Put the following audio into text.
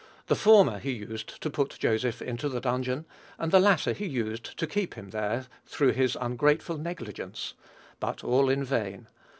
The former he used to put Joseph into the dungeon; and the latter he used to keep him there, through his ungrateful negligence; but all in vain.